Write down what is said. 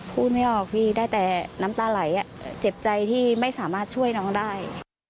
พูดไม่ออกพี่ได้แต่น้ำตาไหลเจ็บใจที่ไม่สามารถช่วยน้องได้